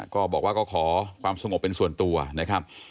ก็บอกว่าก็ขอความสงบเป็นส่วนตัวนะครับ